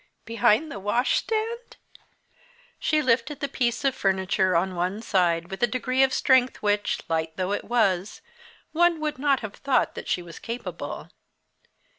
"Behind the washstand?" She lifted the piece of furniture on one side with a degree of strength of which, light though it was, one would not have thought that she was capable.